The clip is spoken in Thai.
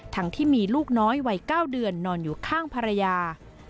ทั้งที่มีลูกน้อยวัย๙เดือนนอนอยู่ข้างภรรยา